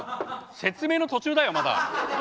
説明の途中だよまだ。